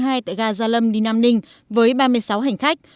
tại ga gia lâm đi nam ninh với ba mươi sáu hành khách